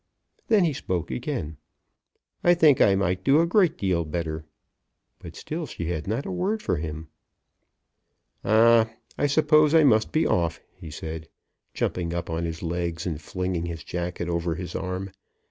Then he spoke again. "I think I might do a great deal better." But still she had not a word for him. "Ah; I suppose I must be off," he said, jumping up on his legs, and flinging his jacket over his arm.